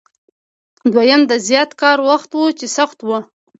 دویم د زیات کار وخت و چې سخت و.